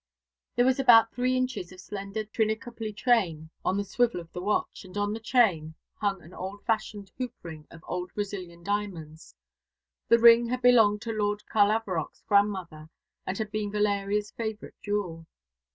There was about three inches of slender Trichinopoly chain on the swivel of the watch, and on the chain hung an old fashioned hoop ring of old Brazilian diamonds. The ring had belonged to Lord Carlavarock's grandmother, and had been Valeria's favourite jewel.